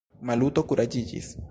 Maluto kuraĝiĝis.